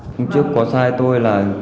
chúng tôi có sai tôi là